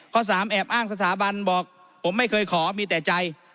สามแอบอ้างสถาบันบอกผมไม่เคยขอมีแต่ใจ